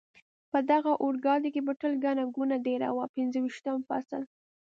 په دغه اورګاډي کې به تل ګڼه ګوڼه ډېره وه، پنځه ویشتم فصل.